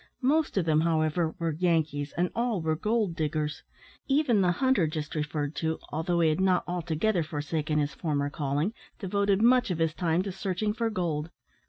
Most of them, however, were Yankees, and all were gold diggers; even the hunter just referred to, although he had not altogether forsaken his former calling, devoted much of his time to searching for gold.